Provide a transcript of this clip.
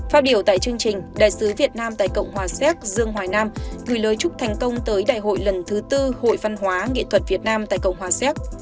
phát biểu tại chương trình đại sứ việt nam tại cộng hòa séc dương hoài nam gửi lời chúc thành công tới đại hội lần thứ tư hội văn hóa nghệ thuật việt nam tại cộng hòa xéc